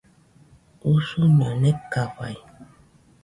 Usuño nekafaɨ